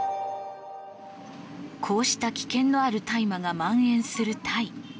こうした危険のある大麻が蔓延するタイ。